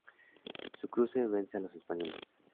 Sucre vence a los españoles.